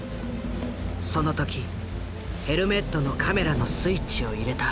その時ヘルメットのカメラのスイッチを入れた。